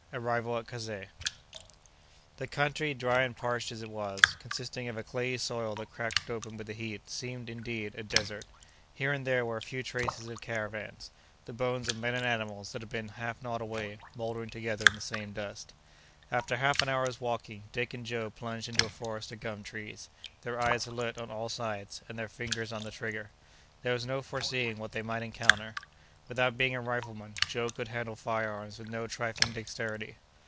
—Arrival at Kazeh. The country, dry and parched as it was, consisting of a clayey soil that cracked open with the heat, seemed, indeed, a desert: here and there were a few traces of caravans; the bones of men and animals, that had been half gnawed away, mouldering together in the same dust. After half an hour's walking, Dick and Joe plunged into a forest of gum trees, their eyes alert on all sides, and their fingers on the trigger. There was no foreseeing what they might encounter. Without being a rifleman, Joe could handle fire arms with no trifling dexterity.